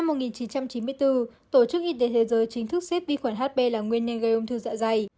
bốn ung thư dọa dày năm một nghìn chín trăm chín mươi bốn tổ chức y tế thế giới chính thức xếp vi khuẩn hp là nguyên nền gây ung thư dọa dày